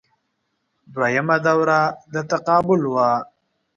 دویمه دوره د تقابل وه